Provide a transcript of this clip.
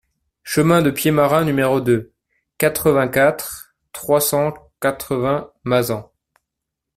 Chemin de Pied Marin n°deux, quatre-vingt-quatre, trois cent quatre-vingts Mazan